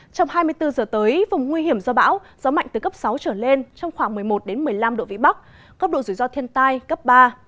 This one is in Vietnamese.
trong hai mươi bốn giờ tới vùng nguy hiểm do bão gió mạnh từ cấp sáu trở lên trong khoảng một mươi một một mươi năm độ vĩ bắc cấp độ rủi ro thiên tai cấp ba